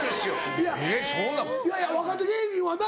いやいやいや若手芸人はな。